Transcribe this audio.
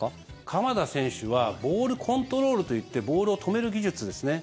鎌田選手はボールコントロールといってボールを止める技術ですね。